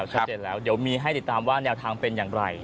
ชัดเจนแล้วเดี๋ยวมีให้ติดตามว่าแนวทางเป็นอย่างไร